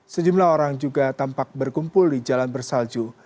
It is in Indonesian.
sejumlah orang juga tampak berkumpul di jalan bersalju